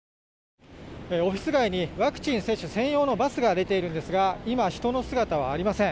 オフィス街にワクチン接種専用のバスが出ているんですが今、人の姿はありません。